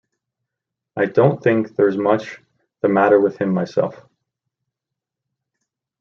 I don’t think there’s much the matter with him myself.